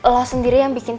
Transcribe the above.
lo sendiri yang bikin